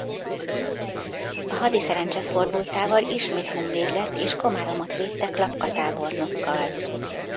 A hadi szerencse fordultával ismét honvéd lett és Komáromot védte Klapka tábornokkal.